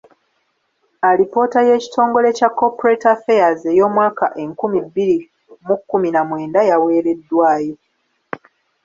Alipoota y’Ekitongole kya ‘Corporate Affairs’ ey’omwaka enkumi bbiri mu kkumi na mwenda yaweereddwayo.